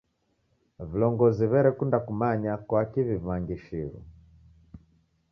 Vilongozi w'erekunda kumanya kwaki w'imangishiro.